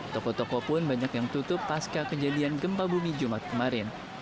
toko toko pun banyak yang tutup pasca kejadian gempa bumi jumat kemarin